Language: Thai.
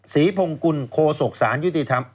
ศีพงศ์กุลโคศกศาลยุติธรรม